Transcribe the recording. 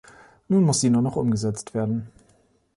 Nun muss sie nur noch umgesetzt werden.